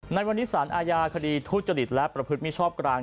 ในวันนี้สารอาญาคดีทุจริตและประพฤติมิชอบกลาง